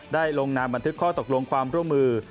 ลงนามบันทึกข้อตกลงความร่วมมือ